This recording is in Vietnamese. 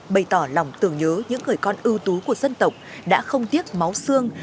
bày tỏ lòng tưởng nhớ những người con ưu tú của dân tộc đã không tiếc máu xương